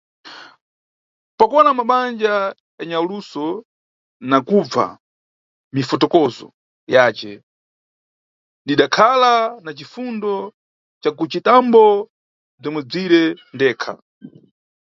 Pa kuwona manja ya nyaluso na kubva mifotokozo yace ndidakhala na cifundo ca kucitambo bzomwebzire ndekha.